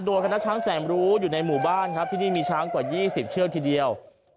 โดยคณะช้างแสนรู้อยู่ในหมู่บ้านครับที่นี่มีช้างกว่า๒๐เชือกทีเดียว